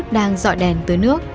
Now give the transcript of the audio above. đang dọa đèn tới nước